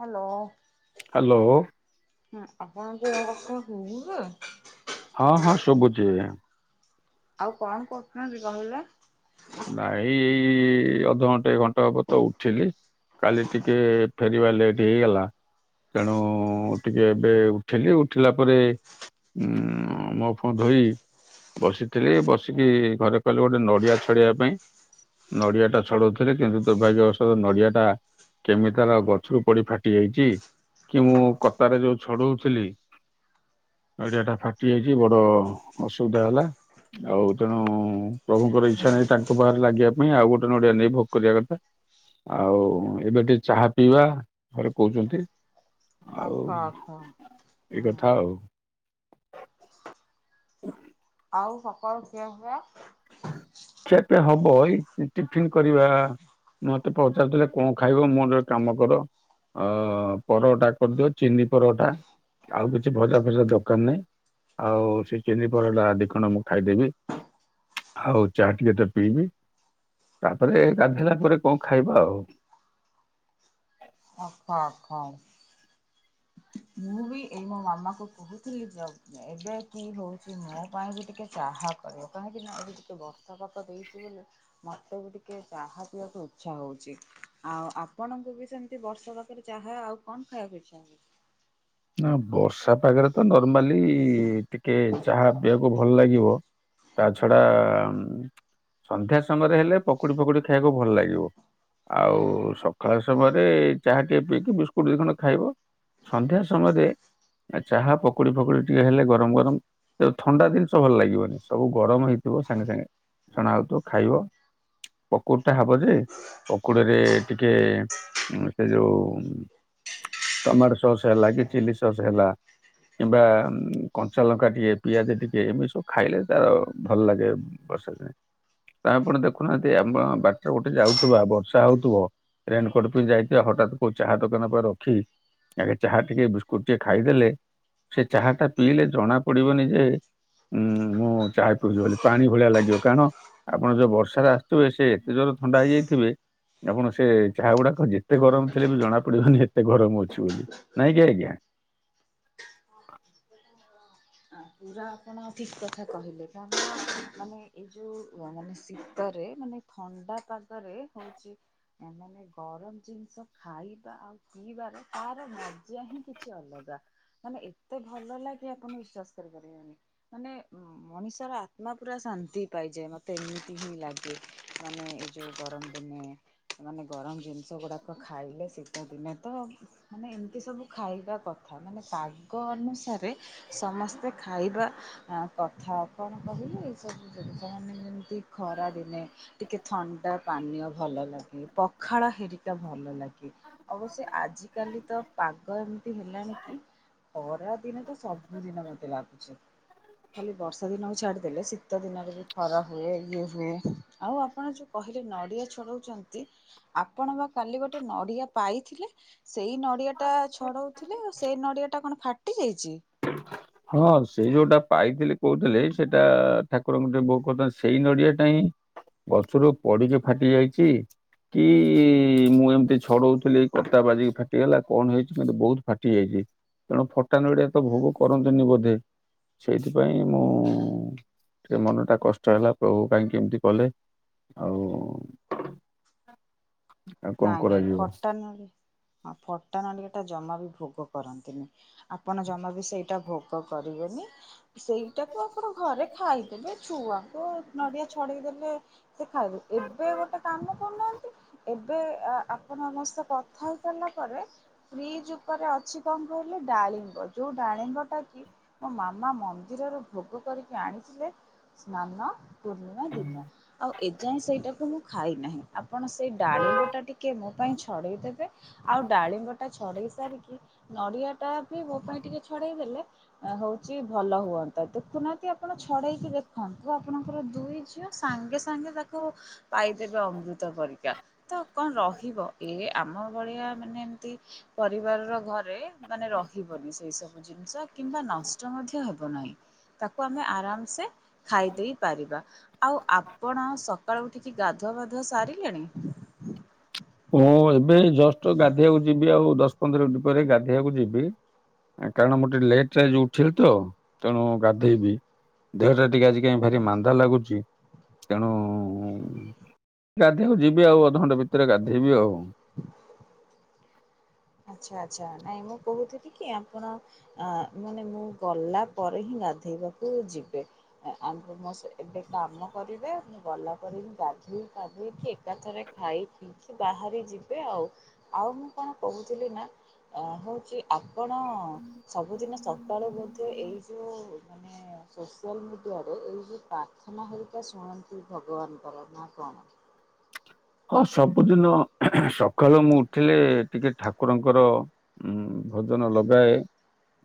Hello. Hello. ହଁ ଆପଣଙ୍କୁ ମୋ କଥା ସୁବୁଚି? ହଁ ହଁ ସବୁଚି ଆଜ୍ଞା। ଆଉ କଣ କରହୁଚନ୍ତି କହିଲେ? ନାଇଁ ଏଇ ଅଧଘଣ୍ଟା ଘଣ୍ଟା ହବ ତ ଉଠିଲି। କାଲି ଟିକେ ଫେରିବା ଲେଟ୍ ହେଇଗଲା। ତେଣୁ ଟିକେ ଏବେ ଉଠିଲି ଉଠିଲା ପରେ ହୁଁ ହଁ ମୁହଁ ଫୂଅଧୋଇ ବସିଥିଲି ବସିକି ଘରେ କହିଲେ ଗୋଟେ ନଡ଼ିଆ ଛଡ଼େଇବା ପାଇଁ। ନଡିଆ ଟା ଛଡଉଥିଲି କିନ୍ତୁ ଦୁର୍ଭାଗ୍ୟବଷଧ ନଡିଆ ଟା କେମିତି ତାର ଗଛରୁ ପଡି ଫାଟି ଯାଇଛି। କି ମୁଁ କତାରେ ଯୋଉ ଛଡୋଉଥିଲି। ନଡିଆ ଟା ଫାଟି ଯାଇଛି ବଡ ଅସୁବିଧା ହେଲା। ଆଉ ତେଣୁ ପ୍ରଭୁଙ୍କର ଏଇ ଇଛାନାଇଁ ତାଙ୍କ ପାଖରେ ଲାଗିବା ପାଇଁ ଆଉ ଗୋଟେ ନଡିଆ ନେଇ ଭୋଗ କରିବା କଥା। ଆଉ ଏବେ ଟିକେ ଚାହା ପିଇବା ଘରେ କୋହୁଛନ୍ତି। ଆଉ ଆଚ୍ଛା ଆଚ୍ଛା ଏ ହୁଁ କଥା ଆଉ। ହୁ [inaudible] ଆଉ ସକାଳୁ ଖିଆ ପିଆ? ଖିଆପିଆ ହବ ଏଇ ଟିଫନ୍ କରିବା। ମତେ ପଚାରୁିଥିଲେ କଣ ଖାଇବ ମୋର ଯୋ କାମ କର। ଅ ପରଟା କରିଦିଅ ଚିନି ପରଟା ଆଉ କିଛି ଭଜା ଫଜା ଦରକାର ନାହିଁ। ଆଉ ସେ ଚିନି ପରଟା ଦିଖଣ୍ଡ ମୁଁ ଖାଇଦେବି ଆଉ ଚା ଟିକେ ତ ପିଇବି ତାପରେ ଗାଧୋଇିଲା ପରେ କଣ ଖାଇବା ଆଉ। ଅହ ଅହ ହଁ। ମୁଁ ବି ଏଇ ମୋ ମାମା କହୁଥିଲି ଯେ ଏବେ କି ହଉଛି ମୋ ପାଇଁ ବି ଟିକେ ଚାହା କର। କାହିଁକି ନା ଏବେ ଟିକେ ବର୍ଷା ପାଗ ଦେଇଛି ବୋଲି ମତେ ବି ଟିକେ ଚା ହା ପିଇବାକୁ ଇଚ୍ଛା ହଉଛି। ଆଉ ଆପଣଙ୍କୁ ବି ସେମିତି ବର୍ଷା ପାଗରେ ଚାହା ଆଉ କଣ ଖାଇବାକୁ ଇଚ୍ଛା? ନା ବର୍ଷା ପାଗରେ ତ ନର୍ମାଲି ଟିକେ ଚାହା ପିଇବାକୁ ଭଲ ଲାଗିବ। ତା ଛଡା ସନ୍ଧ୍ୟା ସମୟରେ ହେଲେ ପକୁଡି ଫକୁଡି ଖାଇବାକୁ ଭଲ ଲାଗିବ। ଆଉ ସକାଳ ସମୟରେ ଚାହା ଟିକେ ପିଇକି ବିସ୍କୁଟ ଦି ଖଣ୍ଡ ଖାଇବ ସନ୍ଧ୍ୟା ସମୟରେ ଚାହା ପକୁଡି ଫକୁଡ଼ି ଟିକେ ହେଲେ ଗରମ ଗରମ ତ ଥଣ୍ଡା ଜିନିଷ ଭଲ ଲାଗିବନି ସବୁ ଗରମ ହେଇଥିବ ସାଙ୍ଗେ ସାଙ୍ଗେ ଛଣା ହେଉଥିବ ଖାଇବ। ପକୁଡ ଟା ହବ ଯେ ପକୁଡିରେ ଟିକେ ସେ ଯୋଉ ଟମାଟୋ ସସ୍ ହେଲା କି ଚିଲି ସସ୍ ହେଲା କିମ୍ବା କଞ୍ଚା ଲଙ୍କା ଟିକେ ପିଆଜ ଟିକେ ଏମିତି ସବୁ ଖାଇଲେ ତାର ଭଲ ଲାଗେ। ବର୍ଷା ଦିନେ ତ ଆପଣ ଦେଖୁନାହାନ୍ତି ଆମ ବାଟରେ ଗୋଟେ ଯାଉଥିବା ବର୍ଷା ହୋଉଥିବ ରେନକୋଟ ପିନ୍ଧି ଯାଇଥିବା ହଠାତ୍ କୋଉ ଚାହା ଦୋକାନ ପାଖରେ ରଖି ଆଗେ ଚାହା ଟିକେ ବି ଗୋଟିଏ ଖାଇଦେଲେ ସେ ଚାହା ଟା ପିଇଲେ ଜଣା ପଡିବନି ଯେ ଉୁଁ ମୁଁ ଚାହା ପିଉଛି ବୋଲି ପାଣି ଭଳିଆ ଲାଗିବ କାରଣ ଆପଣ ଯୋଉ ବର୍ଷାରେ ଆସୁଥିବେ ସେ ଏତେ ଜୋର ଥଣ୍ଡା ହେଇଯାଇଥିବେ ଆପଣ ସେ ଚାହା ଗୁଡାକ ଯେତେ ଗରମ ଥିଲେ ବି ଜଣା ପଡିବନି ଏତେ ଗରମ ଅଛି ବୋଲି। ନାଇଁ କି ଆଜ୍ଞା। ପୁରା ଆପଣ ଠିକ୍ କଥା କହିଲେ କାରଣ ମାନେ ଏଇ ଯେଉଁ ମାନେ ଶୀତରେ ମାନେ ଥଣ୍ଡା ପାଗରେ ହଉଛି ଏମାନେ ଗରମ ଜିନିଷ ଖାଇବା ଆଉ ପିଇବାର ତାର ମଜଆ ହିଁ କିଛି ଅଲଗା ମାନେ ଏତେ ଭଲ ଲାଗେ ଆପଣ ବିଶ୍ଵାସ ବିଶ୍ୱାସ କରିପାରିବେନି ମନେ ମଣିଷର ଆତ୍ମା ପୁରା ଶାନ୍ତି ପାଇଯାଏ ମୋତେ ଏମିତି ହିଁ ଲାଗେ ମାନେ ଯୋଉ ଗରମ ଦିନେ ମାନେ ଗରମ ଜିନିଷ ଗୁଡାକ ଖାଇଲେ ଶୀତ ଦିନେ ତ ମାନେ ଏମିତି ସବୁ ଖାଇବା କଥା ମାନେ ପାଗ ଅନୁସାରେ ସମସ୍ତେ ଖାଇବା ହଁ କଥା ଆପଣ କହିଲେ ସବୁ ଜିନିଷ ମାନେ ଯେମିତି ଖରାଦିନେ ଟିକେ ଥଣ୍ଡା ପାନୀୟ ଭଲ ଲାଗେ ପଖାଳ ହେରିକା ଭଲ ଲାଗେ। ଅବଶ୍ୟ ଆଜିକାଲି ତ ପାଗ ଏମିତି ହେଲାଣି କି ଖରା ଦିନ ତ ସବୁଦିନ ମେ ଆଛା। ଖାଲି ବର୍ଷା ଦିନ ବି ଛାଡିଦେଲେ ଶୀତ ଦିନରେ ବି ଖରା ହୁଏ ଇଏ ହୁଏ ଆଉ ଆପଣ ଯୋଉ କହିଲେ ନଡ଼ିଆ ଛଡ଼ଉଛନ୍ତି ଆପଣ ବା କାଲି ଗୋଟେ ନଡ଼ିଆ ପାଇଥିଲେ ସେଇ ନଡ଼ିଆ ତ ଛଡଉଥିଲେ ଆ ସେଇ ନଡ଼ିଆ ଟା କଣ ଫାଟି ଯାଇଛି? ହଁ ସେ ଯୋଉଟା ପାଇଥିଲେି କହୁଥିଲେ ସେଇଟା ଠାକୁରଙ୍କ ଟିକେ ବହୁତ କଥା ସେଇ ନଡିଆ ଟା ହିଁ ବଛରୁ ପଡିକି ଫାଟି ଯାଇଛି କି ମୁଁ ଏମିତି ଛଡଉଥିଲି କତା ବାଜିିକି ଫାଟିଗଲା କଣ ହେଇଛି କିୁ ବହୁତ ଫାଟି ଯାଇଛି। ତେଣୁ ଫଟା ନଡ଼ିଆ ଏ ତ ଭୋଗ କରନ୍ତୁନି ବୋଧେ? ସେଇଥିପାଇଁ ମୁଁ ମନଟା କଷ୍ଟ ହେଲା ପ୍ରଭୁ କାହିଁକି ଏମିତି କଲେ। ଆଉ ଆଉ କଣ ନାଇଁ ନାଇଁ କରାଯିବ ଫଟା ନଡ଼ିଆ ହଁ ଫଟା ନଡ଼ିଆ ଟା ଜମା ବି ଭୋଗ କରନ୍ତିନି। ଆପଣ ଜମା ବି ସେଇଟା ଭୋଗ କରିବେନି। ସେଇଟାକୁ ଆପଣ ଘରେ ଖାଇଦେଲେ ଛୁଆଙ୍କୁ ନଡିଆ ଛଡେଇଦେଲେ ସେ ଖାଇବେ ଏବେ ଗୋଟେ କାମ କରୁନାହାନ୍ତି ଏବେ ଆପଣ ସମସ୍ତେ କଥା ହେଇସାରିଲା ପରେ ଫ୍ରିଜ୍ ଉପରେ ଅଛି ତଙ୍କୁ କହିଲେ ଡାଳିମ୍ୱ ଯୋଉଁ ଡାଳିମ୍ୱ ଟା କି ମୋ ମାମା ମନ୍ଦିରରୁ ଭୋଗ କରିକି ଆଣିଥିଲେ। ସ୍ନାନ ପୂର୍ଣ୍ଣିମା ଦିନ ଆଉ ଏଯାଏଁ ସେଇଟାକୁ ମୁଁ ଖାଇନାହିଁ ଆପଣ ସେଇ ଡାଳିମ୍ବଟା ଟିକିଏ ମୋ ପାଇଁ ଛଡ଼େଇ ଦେବେ, ଆଉ ଡାଳିମ୍ବଟା ଛଡ଼େଇ ସାରିକି ନଡ଼ିଆଟା ବି ମୋ ପାଇଁ ଟିକେ ଛଡ଼େଇ ଦେଲେ ହଉଛି ଭଲ ହୁଅନ୍ତା। ଦେଖୁନାହାନ୍ତି ଆପଣ ଛଡେଇକି ଦେଖନ୍ତୁ ଆପଣଙ୍କର ଦୁଇ ଝିଅ ସାଙ୍ଗେ ସାଙ୍ଗେ ତାକୁ ପାଇଦେବେ ଅମୃତ ପରିକା। ତ କଣ ରହିବ ଏ ଆମ ଭଳିଆ ମାନେ ଏମତି ପରିବାର ର ଘରେ ମାନେ ରହିବନି ସେଇ ସବୁ ଜିନିଷ କିମ୍ବା ନଷ୍ଟ ମଧ୍ୟ ହେବ ନାହିଁ। ତାକୁ ଆମେ ଆରାମସେ ଖାଇ ଦେଇେଇ ପାରିବା। ଆଉ ଆପଣ ସକାଳୁ ଉଠିକି ଗାଧୁଆବାଧୁଆ ସାରିଲେଣି? ମୁଁ ଏବେ ଏଇ ଜଷ୍ଟ ଗାଧୋଇବାକୁ ଯିବି। ଆଉ ଦଶ ପନ୍ଦର ମିନିଟ୍ ପରେ ଗାଧେଇବାକୁ ଯିବି। କାରଣ ମୁଁ ଟିକେ ଲେଟ୍ ରେ ଯଉ ଉଠିଲି ତ ତେଣୁ ଗାଧେଇବି। ଦେହଟା ଟିକେ ଆଜି କାହିଁ ଭାରି ମାନ୍ଦା ଲାଗୁଛି। ତେଣୁ ଗାଧେଇବାକୁ ଯିବି ଆଉ ଅଧଘଣ୍ଟ ଭିତରେ ଗାଧୋଇେଇବି ଆଉ। ଆଚ୍ଛା ଆଚ୍ଛା। ନାଇଁ ମୁଁ କହୁଥିଲି କି ଆପଣ ଆ ମାନେ ମୁଁ ଗଲା ପରେ ହିଁ ଗାଧୋଇବାକୁ ଯିବେ। ଆମ ମୋ ଏବେ କାମ କରିବେ ମୁଁ ଗଲା ପରେ ବିିଁ ଗାଧୋଇ ପାଧୋଇ କି କାଥରେ ଖାଇ ପିଇକି ବାହାରି ଯିବେ ଆଉ। ଆଉ ମୁଁ କଣ କହୁଥିଲି ନା, ଅ ହେଉଛି ଆପଣ ସବୁଦିନ ସକାଳୁ ମଧ୍ୟ ଏଇ ଯେଉଁ ମାନେ ସୋସିଆଲ ମିଡ଼ିଆରେ, ଏଇ ଯେଉଁ ପ୍ରାର୍ଥନା ହେଟା ଶୁଣନ୍ତି ଭଗବାନଙ୍କର ନା କଣ ହଁ ସବୁଦିନ ସକାଳୁ ମୁଁ ଉଠିଲେ ଟିକେ ଠାକୁରଙ୍କର ଉଁ ଭୋଜନ ଲଗାଏ।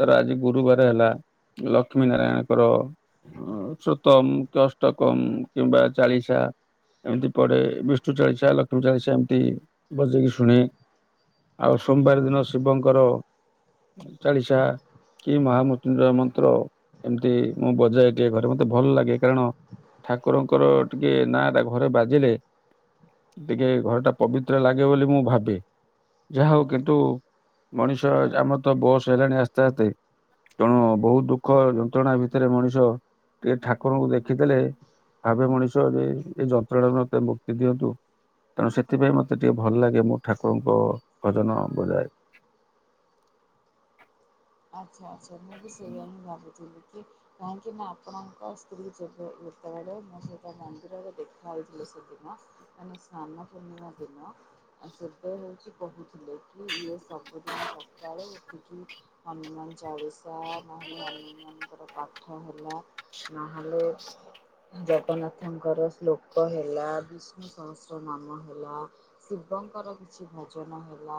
ତାର ଆଜି ଗୁରୁବାର ହେଲା ଲକ୍ଷ୍ମୀ ନାରାୟଣଙ୍କର ସୁତମ କି ଅଷ୍ଟକମ କିମ୍ବା ଚାଳିଶା ଏମିତି ପଡେ ବି ଚୁ ଚାଳିଚା ଲକ୍ଷ୍ମୀ ଚାଳିଚା ଏମିତି ବଜେଇକି ଶୁଣେ। ଆଉ ସୋମବାର ଦିନ ଶିବଙ୍କର ଚାଳିଶା କି ମହାମୃ ଞ୍ଜୟ ମନ୍ତ୍ର ଏମିତି ମୁଁ ବଜାଏ ଟିକେ ଘରେ ମତେ ଭଲ ଲାଗେ କାରଣ ଠାକୁରଙ୍କର ଟିକେ ନାଁ ଟା ଘରେ ବାଜିଲେ ଟିକେ ଘରଟା ପବିତ୍ର ଲାଗେ ବୋଲି ମୁଁ ଭାବେ। ଯାହା ହୋଉ କିନ୍ତୁ ମଣିଷ ଆମର ତ ବୟସ ହେଲାଣି ଆସ୍ତେ ଆସ୍ତେ। ତେଣୁ ବହୁତ ଦୁଃଖ ଯନ୍ତ୍ରଣା ଭିତରେ ମଣିଷ ଟିକେ ଠାକୁରଙ୍କୁ ଦେଖିଦେଲେ ଭାବେ ମଣିଷ ଏ ଏ ଯନ୍ତ୍ରଣାରୁ ମତେ ମୁ କ୍ତି ଦିଅନ୍ତୁ ତେଣୁ ସେଥିପାଇଁ ମତେ ଟିକେ ଭଲ ଲାଗେ। ମୁଁ ଠାକୁରଙ୍କ ଭଜନ ବଜାଏ। ଆଚ୍ଛା ଆଚ୍ଛା ମୁଁ ବି ସେଇୟା ହିଁ ଭାବୁଥିଲି କି କାହିଁକି ନା ଆପଣଙ୍କ ସ୍ତ୍ରୀ ଯେବେ ଯେତବେଳେ ମୁଁ ସହିତ ମନ୍ଦିରରେ ଦେଖା ହେଇଥଲେ ସେଦିନ। ମାନେ ସ୍ନାନ ପୂର୍ଣ୍ଣିମା ଦିନ ଆ ସେତେବେଳେ ହୋଉଚି ବୋହୁତ ଥିଲେ କି ଇଏ ସବୁଦିନ ସକାଳୁ ଉଠିକି ହନୁମାନ ଚାଳୁଶା ନହେଲେ ହନୁ ମାନଙ୍କର ପାଠ ହେଲା ନହେଲେ ଜଗନ୍ନାଥଙ୍କର ଶ୍ଳୋକ ହେଲା, ବିଷ୍ଣୁ ସହସ୍ର ନାମ ହେଲା। ଶିବଙ୍କର କିଛି ଭୋଜନ ହେଲା।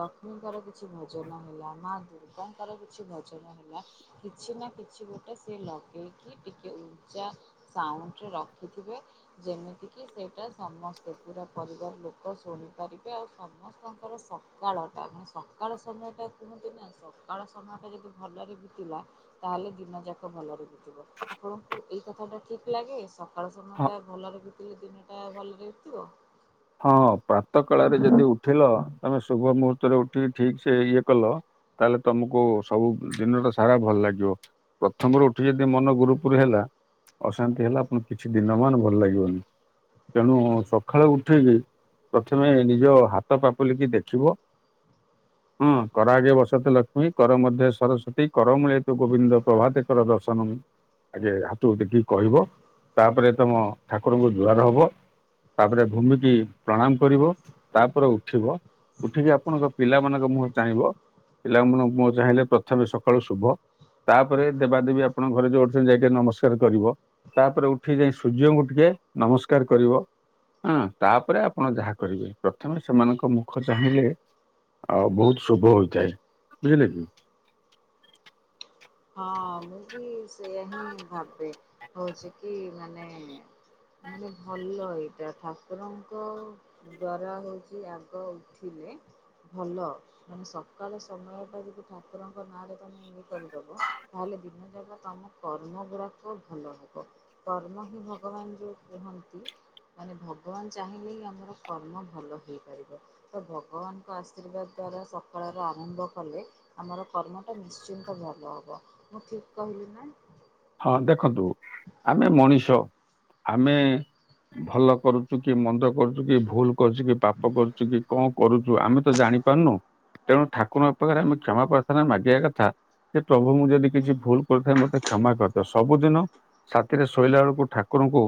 ଲକ୍ଷ୍ମୀଙ୍କର କିଛି ଭଜନ ହେଲା, ମା ଦୁର୍ଗାଙ୍କର କିଛି ଭଜନ ହେଲା। କିଛି ନା କିଛି ଗୋଟେ ସିଏ ଲଗେଇକି ଟିକେ ଉର୍ଜା [unintelligible] ସାଉଁଣ୍ଟରେ ରଖିଥିବେ। ଯେମିତିକି ସେଇଟା ସମସ୍ତେ ପୁରା ପରିବାର ଲୋକ ଶୁଣିପାରିବେ ଆଉ ସମସ୍ତଙ୍କର ସହ ସକାଳଟା ମାନେ ସକାଳ ସମୟଟା କୁହନ୍ତି ନା ସକାଳ ସମୟଟା ଯଦି ଭଲରେ ବିତିଲା। ତାହେଲେ ଦିନଯାକ ଭଲରେ ବିତିବ। ଆପଣଙ୍କୁ ଏଇ କଥାଟା ଠିକ୍ ଲାଗେ ସକାଳ ସମୟଟା ଭଲରେ ବିତିଲେ ଦିନଟା ଭଲରେ ବିତିବ। ହଁ ପ୍ରାତ କାଳରେ ଯଦି ଉଠିଲ ତମେ ଶୁଭ ମୁହୂତ୍ତରେ ଉଠିକି ଠିକ୍ ସେ ଇଏ କଲ ତାହେଲେ ତମକୁ ସବୁ ଦିନ ଟା ସାରା ଭଲ ଲାଗିବ। ପ୍ରଥମରୁ ଉଠି ଯଦି ମନ ଗୁରୁପୁର ହେଲା। ଅଶାନ୍ତି ହେଲା ଫୁଣି କିଛି ଦିନ ମାନ ଭଲ ଲାଗିବନି। ତେଣୁ ସଖାଳୁ ଉ ଉଠିକି ପ୍ରଥମେ ନିଜ ହାତ ପାପୁଲିକି ଦେଖିବ। [inaudible] ହଁ କରାଗେ ବସତେ ଲକ୍ଷ୍ମୀ କର ମଧ୍ୟ ସରସ୍ଵତୀ କର ମିଳେତୁ ଗୋବିନ୍ଦ ପ୍ରଭାାତେକର ଦର୍ଶନମ୍। ଆଗେ ହାତକୁ ଟେକି କି କହିବ ତାପରେ ତମ ଠାକୁରଙ୍କୁ ଜୁଆର ହବ। ତାପରେ ଭୂମି କୁ ପ୍ରଣାମ କରିବ ତାପରେ ଉଠିବ। ଉଠିକି ଆପଣଙ୍କ ପିଲାମାନାନଙ୍କ ମୁହଁ ଚାହିଁବ। ପିଲା ମୁହଁ ମୁଁହ ଚାହିଁଲେ ପ୍ରଥମେ ସକାଳୁ ଶୁଭ। ତାପରେ ଦେବାଦେବୀ ଆପଣଙ୍କ ଘରେ ଯୋଉ ଅଛନ୍ତି ଯାଇକି ଟିକେ ନମସ୍କାର କରିବ। ତାପରେ ଉଠିକି ଯାଇ ସୂର୍ଯ୍ୟଙ୍କୁ ଟିକେ ନମସ୍କାର କରିବ ଆଁ। ତାପରେ ଆପଣ ଯାହା କରିବେ। ପ୍ରଥମେ ସେମାନଙ୍କ ମୁଖ ଚାହିଁଲେ। ଆଉ ବୋହୁତ ଶୁଭ ହୋଇଥାଏ ବୁଝିଲେିଲେ କି। ହଁ ମୁଁ ବି ସେଇୟା ହିଁ ଭାବେ ହୋଉଚି କି ମାନେ ମାନେ ଭଲ ଏଇଟା ଠାକୁରଙ୍କ ଧର ହୋଉଚି ଆଗ ଉଠିଲେ ଭଲ ମାନେ ସକାଳ ସମୟଟା ଯଦି ଠାକୁରଙ୍କ ନାଁରେ ତମେ ଇଏ କରି ବ ତାହେଲେ ଦିନ ଯାଗା ଆମ କର୍ମ ଗୁଡାକ ଭଲ ହବ। କର୍ମ ହି ଭଗବାନ ଯୋଉ କୁହନ୍ତି। ମାନେ ଭଗବାନ ଚାହିଁଲେ ହିଁ ଆମର କର୍ମ ଭଲ ହେଇପାରିବ। ତ ଭଗବାନଙ୍କ ଆଶୀର୍ବାଦ୍ ଦ୍ଵାରା ସଖାଳର ଆରମ୍ଭ କଲେ। ଆମର କର୍ମଟା ନିଶ୍ଚିନ୍ତ ଭଲ ହବ। ମୁଁ ଠିକ୍ କହିଲି ନା? ହଁ ଦେଖନ୍ତୁ ଆମେ ମଣିଷ ଆମେ ଭଲ କରୁଚୁ କି ମନ୍ଦକ୍ କରୁଚୁ କି ଭୁଲ୍ କରୁଚୁ କି ପାପ କରୁଚୁ କି କଣ କରୁଚୁ ଆମେ ତ ଜାଣି ପାରୁନୁ। ତେଣୁ ଠାକୁର ରଙ୍କ ପାଖେରେ ଆମେ କ୍ଷମା ପ୍ରାର୍ଥନରେ ମାଗିଆ କଥା ହେ ପ୍ରଭୁ ମୁଁ ଯଦି କିଛି ଭୁଲ୍ କରୁଥାଏ ମତେ କ୍ଷମା କର। ତ ସବୁଦିନ ରାତିରେ ଶୋଇଲା ବେଳକୁ ଠାକୁରଙ୍କୁ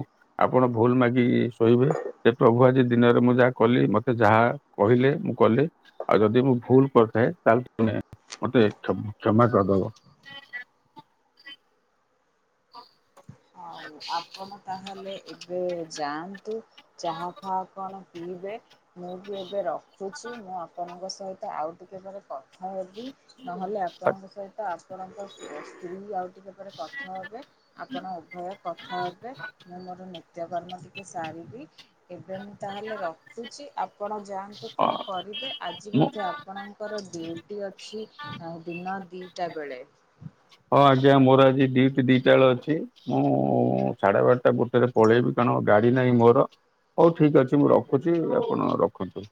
ଆପଣ ଭୁଲ୍ ମାଗିକି ଶୋଇବେ। ଯେ ପ୍ରଭୁ ଆଜି ଦିନରେ ମୁଁ ଯାହା କଲି ମତେ ଯାହା କହିଲେ ମୁଁ କଲି। ଆଉ ଯଦି ମୁଁ ଭୁଲ୍ କରିଥାଏ ତାହେଲେ ତୁମେ ମତେ କ୍ଷମା କରିଦବ। ହଉ, ଆପଣ ତାହେଲେ ଏବେ ଯାଆନ୍ତୁ। ଚାହା ଫା କଣ ପିଇବେ। ମୁଁ ବି ଏବେ ରଖୁଚି ମୁଁ ଆପଣଙ୍କ ସହିତ ଆଉ ଟିକେ ପରେ କ କଥା ହେବି ନହେଲେ ଆପଣଙ୍କ ସହିତ ଆପଣଙ୍କ ସ୍ତ୍ରୀ ଆଉ ଏହି ଭାବରେ କଥା ହେବେ ଆପଣ ଉଭୟ କଥା ହେବେ। ମୁଁ ମୋର ନି ନିତ୍ୟକର୍ମ ଟିକେ ସାରିବି। ଏବେ ମୁଁ ତାହେଲେ ରଖୁଚି ଆପଣ ଯାଆନ୍ତୁ କଣ କରିବେ ଆଜି ମୁଁ ବୋଧେ ଆପ୍ ଆପଣଙ୍କର ଡିଉଟି ଅଛି ଅ ଦିନ ଦିଟା ବେଳେ। ହଁ ଆଜ୍ଞା ମୋର ଆଜି ଡିଉଟି ଦିଟା ବେଳେ ଅଛି। ମୁଁ ସାଢେ ବାରେଟା ଗୋଟେରେ ପଳେଇବି କାରଣ ଗାଡ଼ି ନାଇଁ ମୋର, ହଉ ଠିକ୍ ଅଛି ମୁଁ ରଖୁଚି ଆପଣ ରଖନ୍ତୁ।